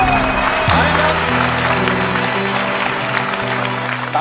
บุคลแล้ว